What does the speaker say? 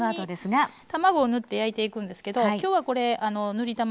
ここに卵を塗って焼いていくんですけど今日はこれ塗り卵